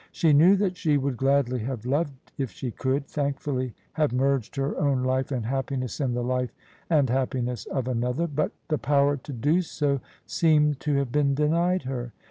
She knew that she would gladly have loved if she could — thankfully have merged her own life and happiness in the life and happiness of another: but the power to do so seemed to have been denied her.